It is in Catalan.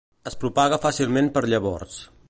Es propaga fàcilment per llavors.